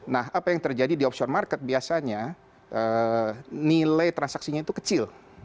nah apa yang terjadi di offshore market biasanya nilai transaksinya itu kecil